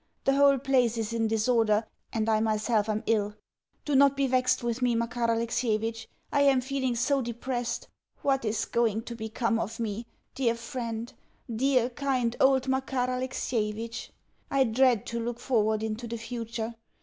The whole place is in disorder, and I myself am ill. Do not be vexed with me, Makar Alexievitch. I am feeling so depressed! What is going to become of me, dear friend, dear, kind, old Makar Alexievitch? I dread to look forward into the future.